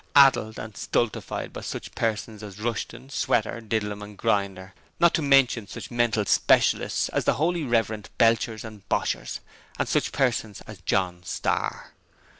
addled and stultified by such persons as Rushton, Sweater, Didlum and Grinder, not to mention such mental specialists as the holy reverend Belchers and Boshers, and such persons as John Starr.